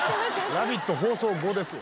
『ラヴィット！』放送後ですよ。